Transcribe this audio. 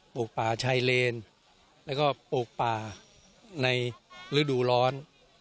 ปลูกป่าชายเลนแล้วก็ปลูกป่าในฤดูร้อน